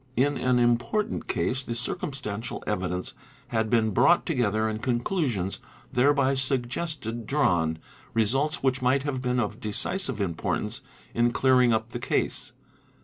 | In an important case the circumstantial evidence had been brought together and conclusions thereby suggested drawn, results which might "have been of decisive importance in clearing up the case.